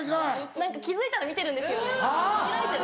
何か気付いたら見てるんですよね開いてる。